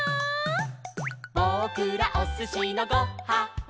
「ぼくらおすしのご・は・ん」